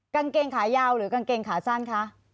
กางเกงขายาวหรือกางเกงขาสั้นคะ